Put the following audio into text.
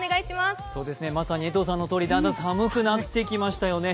まさに江藤さんの言うとおり、だんだん寒くなってきましたよね。